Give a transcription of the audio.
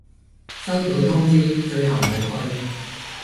收到通知，最後冇去